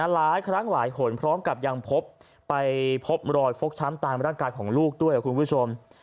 หลายครั้งหลายคนพร้อมกับยังพบไปพบรอยฟกช้ำตามร่างกายของลูกด้วยคุณผู้ชม